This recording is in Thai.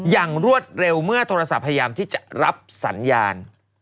รวดเร็วเมื่อโทรศัพท์พยายามที่จะรับสัญญาณ